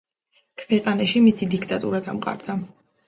ქვეყანაში მისი დიქტატურა დამყარდა.